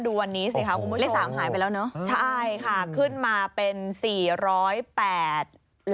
ดูวันนี้สิครับคุณผู้ชม